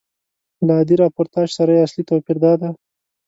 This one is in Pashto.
له عادي راپورتاژ سره یې اصلي توپیر دادی.